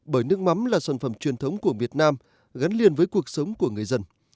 bởi nước mắm là sản phẩm truyền thống của việt nam gắn liền với cuộc sống của người dân